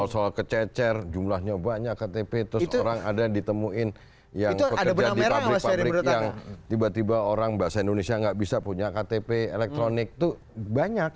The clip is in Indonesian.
soal kececer jumlahnya banyak ktp terus orang ada ditemuin yang pekerja di pabrik pabrik yang tiba tiba orang bahasa indonesia nggak bisa punya ktp elektronik itu banyak